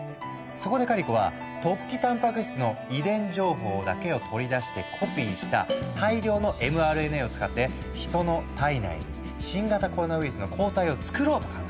そこでカリコは突起たんぱく質の遺伝情報だけを取り出してコピーした大量のｍＲＮＡを使って人の体内に新型コロナウイルスの抗体をつくろうと考えた。